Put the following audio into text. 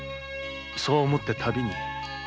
そう思って旅に